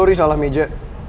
maaf salah meja